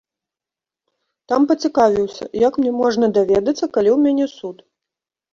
Там пацікавіўся, як мне можна даведацца, калі ў мяне суд?